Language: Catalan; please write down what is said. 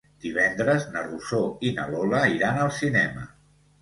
Divendres na Rosó i na Lola iran al cinema.